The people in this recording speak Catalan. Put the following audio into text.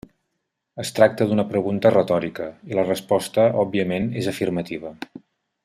Es tracta d'una pregunta retòrica, i la resposta òbviament és afirmativa.